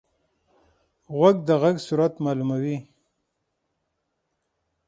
غوږ د غږ سرعت معلوموي.